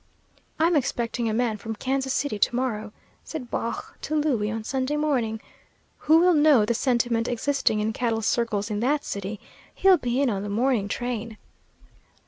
"I'm expecting a man from Kansas City to morrow," said Baugh to Louie on Sunday morning, "who will know the sentiment existing in cattle circles in that city. He'll be in on the morning train."